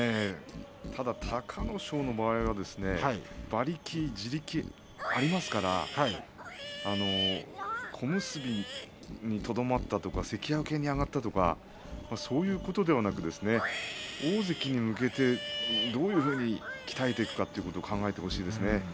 ただ、隆の勝の場合には馬力、地力がありますから小結にとどまったとか関脇に上がったとかそういうことではなく大関に向けてどういうふうに鍛えていくかということを考えてほしいですね。